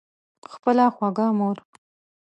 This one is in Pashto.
خپله خوږه مور